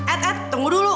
et et tunggu dulu